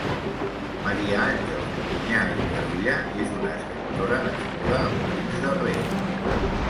Maria Àngels Bogunyà i Carulla és una escriptora nascuda a Molins de Rei.